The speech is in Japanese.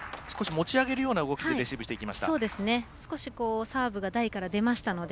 少し持ち上げるようなレシーブしていきました。